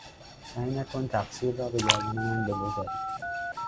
سعی نکن تقصیر را به گردن من بگذاری!